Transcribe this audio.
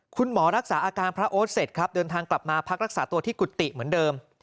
คุณหมอรักษาอาการพระโอ๊ตเสร็จครับเดินทางกลับมาพักรักษาตัวที่กุฏิเหมือนเดิม